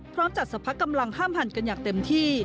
พร้อมจัดสรรกำลังห้ามหันกันอย่างเต็มที่